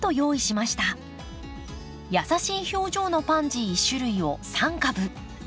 優しい表情のパンジー１種類を３株。